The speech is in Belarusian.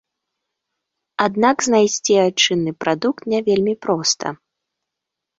Аднак знайсці айчынны прадукт не вельмі проста.